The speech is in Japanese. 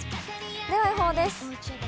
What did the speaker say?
では予報です。